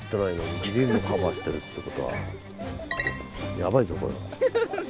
やばいぞこれは。